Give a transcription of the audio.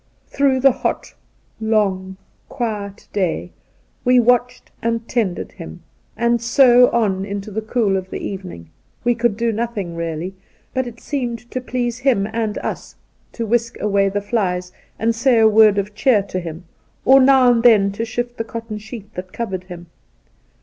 Through the hot, long, quiet day we watched and tended him, and so on into the cool of the evening. We could do nothing, really; but it seemed to please him and us to whisk away the jflies, and say a word of cheer to him, or now and then to shift the cotton sheet that covered him.